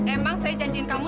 emang saya janjiin kamu